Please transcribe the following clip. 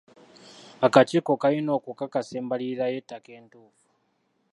Akakiiko kalina okukakasa embalirira y'ettaka entuufu.